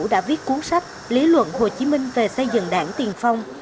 đã viết cuốn sách lý luận hồ chí minh về xây dựng đảng tiền phong